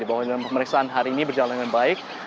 bahwa pemeriksaan hari ini berjalan dengan baik